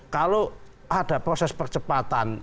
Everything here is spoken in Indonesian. kalau ada proses percepatan